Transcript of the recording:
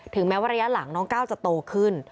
แม้ว่าระยะหลังน้องก้าวจะโตขึ้น